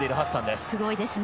すごいですね。